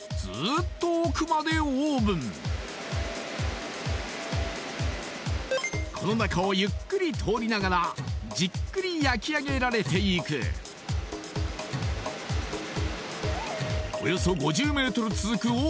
ずーっと奥までオーブンこの中をゆっくり通りながらじっくり焼き上げられていく